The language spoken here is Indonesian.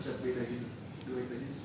pada mitra itu seperti gimana